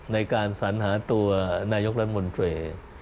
ในการสัญหาตัวนายกรัฐมนตรี